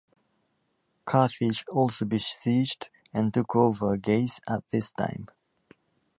Carthage also besieged and took over Gades at this time.